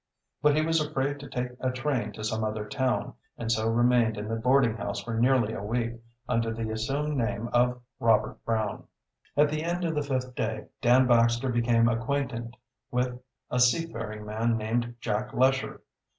But he was afraid to take a train to some other town, and so remained in the boarding house for nearly a week, under the assumed name of Robert Brown. At the end of the fifth day Dan Baxter became acquainted with a seafaring man named Jack Lesher.